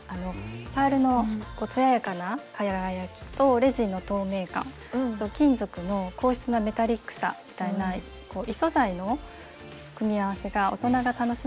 パールのつややかな輝きとレジンの透明感と金属の硬質なメタリックさみたいな異素材の組み合わせが大人が楽しめるようなアクセサリーです。